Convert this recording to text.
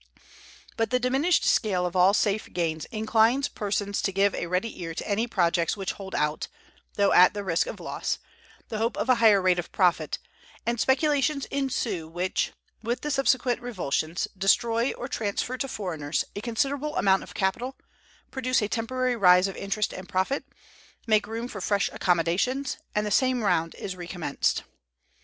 But the diminished scale of all safe gains inclines persons to give a ready ear to any projects which hold out, though at the risk of loss, the hope of a higher rate of profit; and speculations ensue, which, with the subsequent revulsions, destroy, or transfer to foreigners, a considerable amount of capital, produce a temporary rise of interest and profit, make room for fresh accumulations, and the same round is recommenced.